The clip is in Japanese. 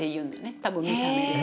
多分見た目で。